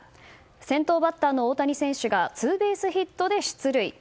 先頭バッターの大谷選手がツーベースヒットで出塁。